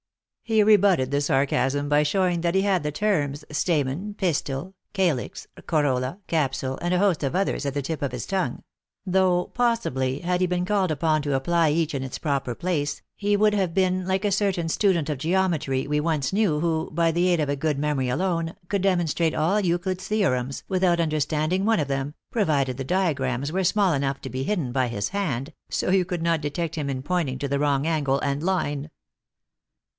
He rebutted the sarcasm by showing that he had the terms stamen, pistil, calix, corolla, capsule, and a host 4* 90 THE ACTKESS IN HIGH LIFE. of others at the tip of his tongue ; though, possibly, had he been called upon to apply each in its proper place, he would have been like a certain student of geometry we once knew, who, by aid of a good memory alone, could demonstrate all Euclid s theo rems, without understanding one of them, provided the diagrams were small enough to be hidden by his hand, so you could not detect him in pointing to the wrong angle and line.